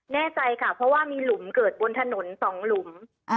แน่ใจค่ะเพราะว่ามีหลุมเกิดบนถนนสองหลุม